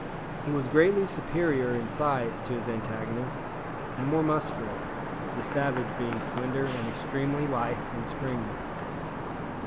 He was greatly superior in size to his antagonist, and more muscular, the savage being slender and extremely lithe and springy.